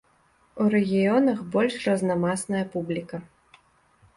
У рэгіёнах больш разнамасная публіка.